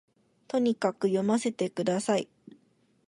とにかく読ませて下さい